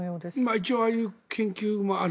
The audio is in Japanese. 一応ああいう研究もある。